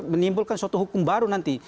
menimbulkan suatu hukum baru nanti